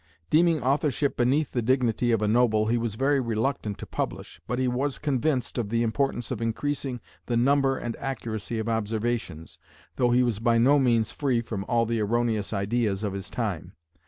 Deeming authorship beneath the dignity of a noble he was very reluctant to publish, but he was convinced of the importance of increasing the number and accuracy of observations, though he was by no means free from all the erroneous ideas of his time.